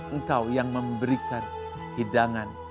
engkau yang memberikan hidangan